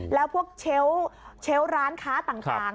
แล้วพวกเชลล์ร้านค้าต่าง